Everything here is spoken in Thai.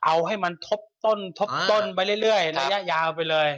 เอาให้มันทบต้นทบต้นไปเรื่อยระยะยาวไปเลย